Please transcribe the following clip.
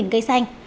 hai cây xanh